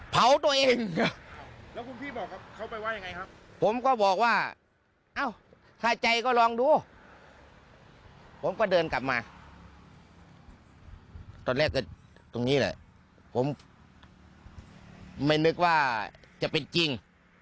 ผมก็เดินกลับมาตอนแรกตรงนี้แหละผมไม่นึกว่าจะเป็นจริง